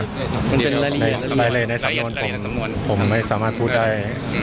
ในสำนวนผมไม่สามารถพูดได้